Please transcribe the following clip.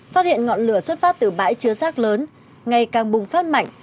phát hiện ngọn lửa xuất phát từ bãi chứa rác lớn ngày càng bùng phát mạnh